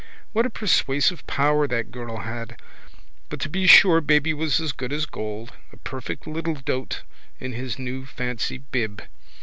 What a persuasive power that girl had! But to be sure baby Boardman was as good as gold, a perfect little dote in his new fancy bib.